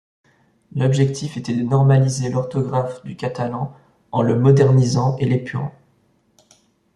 L'objectif était de normaliser l'orthographe du catalan en le modernisant et l'épurant.